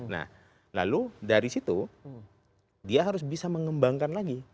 nah lalu dari situ dia harus bisa mengembangkan lagi